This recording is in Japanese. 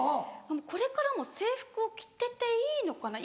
これからも制服を着てていいのかな？